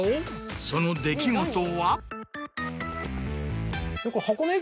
その出来事は？あっ。